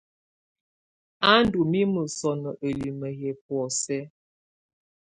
A ndù mimǝ sɔnɔ ǝlimǝ yɛ bɔ̀ósɛ.